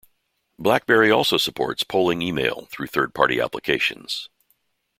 BlackBerry also supports polling email, through third-party applications.